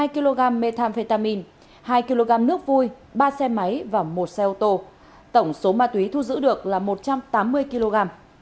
hai kg methamphetamine hai kg nước vui ba xe máy và một xe ô tô tổng số ma túy thu giữ được là một trăm tám mươi kg